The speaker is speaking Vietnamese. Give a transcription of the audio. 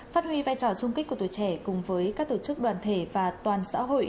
phát huy vai trò sung kích của tuổi trẻ cùng với các tổ chức đoàn thể và toàn xã hội